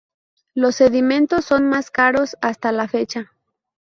Los sedimentos son más caros hasta la fecha.